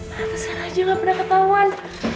maksudnya aja nggak pernah ketahuan